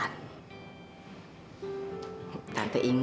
tante inget dulu teh tante kepingin